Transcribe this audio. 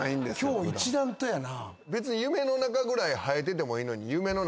今日一段とやな。